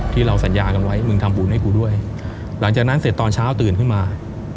ที่เราสัญญากันไว้มึงทำบุญให้กูด้วยหลังจากนั้นเสร็จตอนเช้าตื่นขึ้นมา